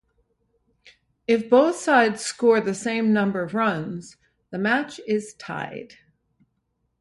If both sides score the same number of runs, the match is tied.